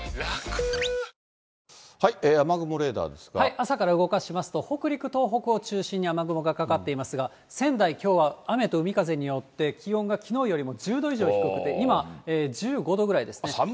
朝から動かしますと、北陸、東北を中心に雨雲がかかっていますが、仙台、きょうは雨と海風によって気温がきのうよりも１０度以上低くて、今、寒いですね。